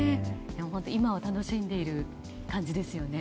今を楽しんでいる感じですよね。